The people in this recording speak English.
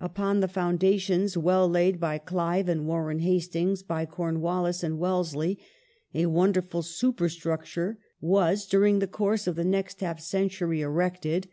Consoli Upon the foundations well laid by Clive and Warren Hastings, dationof \yy Cornwallis and Wellesley, a wonderful supei'structure was, India, during the course of the next half century, erected.